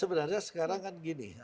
sebenarnya sekarang kan gini